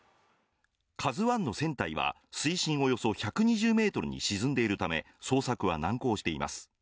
「ＫＡＺＵⅠ」の船体は水深およそ１２０ｍに沈んでいるため捜索は難航しています。